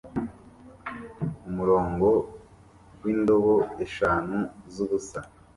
kumurongo windobo eshanu zubusa